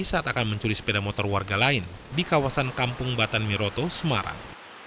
saat akan mencuri sepeda motor warga lain di kawasan kampung batan miroto semarang